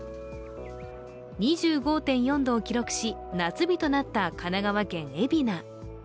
２５．４度を記録し、夏日となった神奈川県海老名。